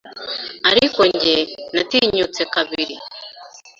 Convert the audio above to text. Ariko njye - natinyutse kabiri -